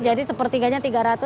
jadi sepertiganya tiga ratus